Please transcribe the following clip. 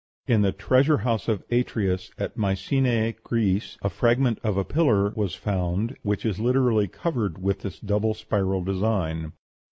In the Treasure House of Atreus, at Mycenæ, Greece, a fragment of a pillar was found which is literally covered with this double spiral design.